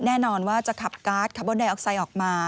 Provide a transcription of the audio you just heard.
แน่นอนว่าจะขับการ์ดคาร์บอนไดออกไซด์ออกมา